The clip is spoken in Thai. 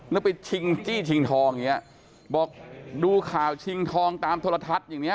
แล้วไปชิงจี้ชิงทองอย่างเงี้ยบอกดูข่าวชิงทองตามโทรทัศน์อย่างเง